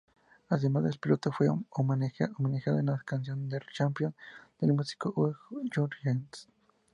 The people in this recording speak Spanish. Además, el piloto fue homenajeado en la canción "Der Champion" del músico Udo Jürgens.